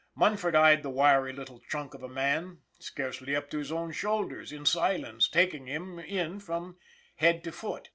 Munford eyed the wiry little chunk of a man, scarcely up to his own shoulders, in silence, taking him in from head to foot.